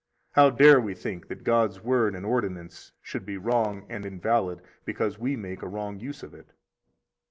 How dare we think that God's Word and ordinance should be wrong and invalid because we make a wrong use of it?